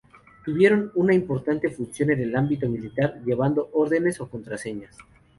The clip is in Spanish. Tuvieron una importante función en el ámbito militar, llevando órdenes o contraseñas.